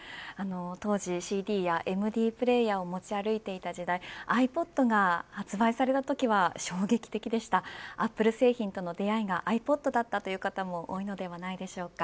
当時ＣＤやＭＤプレーヤーを持ち歩いていた時代ｉＰｏｄが発売されたときは衝撃的でした、アップル製品との出会いがｉＰｏｄだったという方も多いのではないでしょうか。